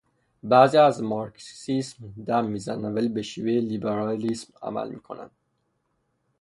بعضی ها از مارکسیسم دم میزنند ولی به شیوهٔ لیبرالیسم عمل میکنند.